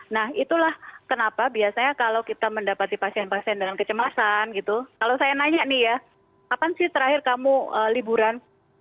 nah itulah kenapa biasanya kalau kita mendapati pasien pasien dengan kecemasan gitu kalau saya nanya nih ya kapan sih terakhir kamu liburan